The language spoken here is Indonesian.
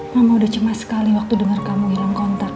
mama udah cema sekali waktu denger kamu hilang kontak